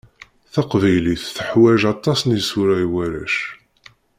Taqbaylit teḥwaǧ aṭas n isura i warrac.